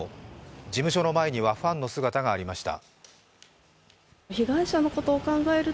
事務所の前にはファンの姿がありました。